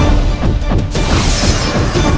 aku ingin menemukan kekuatanmu